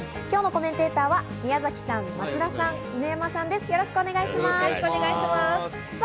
今日のコメンテーターの皆さんです。